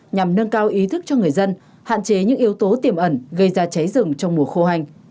nhằm nâng cao ý thức cho người dân hạn chế những yếu tố tiềm ẩn gây ra cháy rừng trong mùa khô hành